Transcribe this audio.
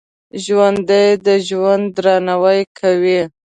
ژوندي د ژوند درناوی کوي